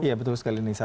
iya betul sekali nisa